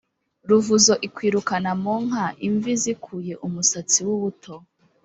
Ruvuzo ikwirukana mu nka-Imvi zikuye umusatsi w'ubuto.